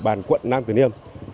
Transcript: bàn quận nam từ liêm